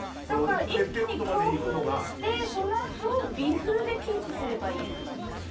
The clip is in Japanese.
一気に強風にして、そのあと微風でキープすればいいってこと？